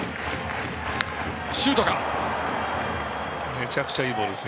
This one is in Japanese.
めちゃくちゃいいボールです